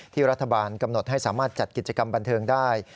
รัฐบาลกำหนดให้สามารถจัดกิจกรรมบันเทิงได้